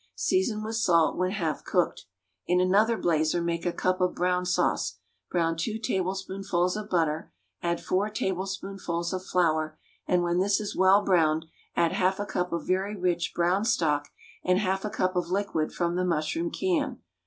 Season with salt when half cooked. In another blazer make a cup of brown sauce; brown two tablespoonfuls of butter, add four tablespoonfuls of flour, and, when this is well browned, add half a cup of very rich brown stock and half a cup of liquid from the mushroom can.